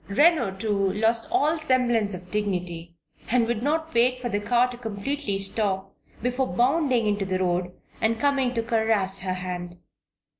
Reno, too, lost all semblance of dignity and would not wait for the car to completely stop before bounding into the road and coming to caress her hand.